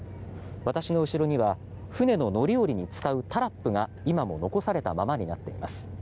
私の後ろには船の乗り降りに使われているタラップが今も残されたままになっています。